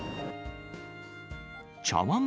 茶わん